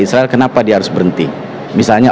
israel kenapa dia harus berhenti misalnya